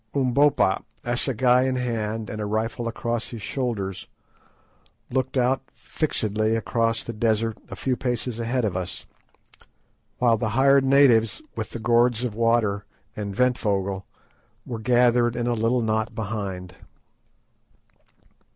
Umbopa, assegai in hand and a rifle across his shoulders, looked out fixedly across the desert a few paces ahead of us; while the hired natives, with the gourds of water, and Ventvögel, were gathered in a little knot behind.